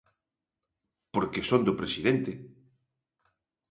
Porque son do presidente.